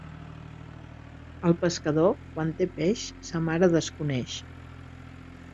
El pescador, quan té peix, sa mare desconeix.